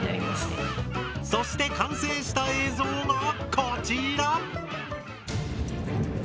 そして完成した映像がこちら！